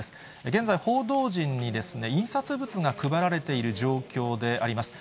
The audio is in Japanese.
現在、報道陣に印刷物が配られている状況であります。